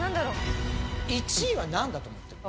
１位はなんだと思ってる？